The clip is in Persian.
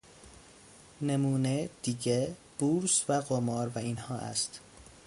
نمونه دیگه بورس و قمار و اینها است.